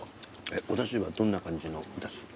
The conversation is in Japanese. おだしはどんな感じのだし？